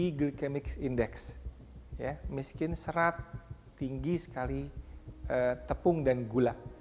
di glikemic index miskin serat tinggi sekali tepung dan gula